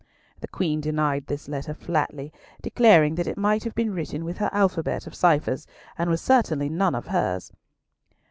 The Queen denied this letter flatly, declaring that it might have been written with her alphabet of ciphers, but was certainly none of hers.